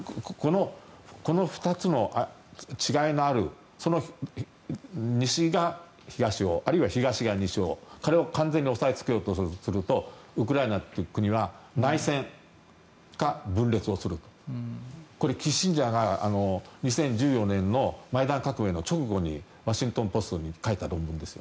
この２つの違いのあるその西が東をあるいは東が西を完全に押さえつけようとするとウクライナという国は内戦か分立をするこれ、キッシンジャーが２０１４年のマイダン革命の直後にワシントン・ポストに書いたと思うんです。